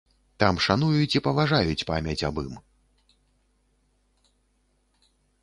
Там шануюць і паважаюць памяць аб ім.